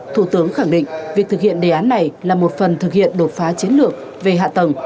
thủ tướng khẳng định việc thực hiện đề án này là một phần thực hiện đột phá chiến lược về hạ tầng